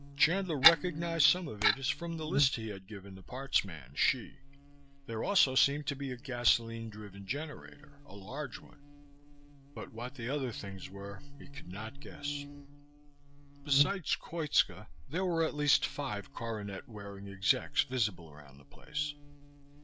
Chandler recognized some of it as from the list he had given the parts man, Hsi. There also seemed to be a gasoline driven generator a large one but what the other things were he could not guess. Besides Koitska, there were at least five coronet wearing execs visible around the place.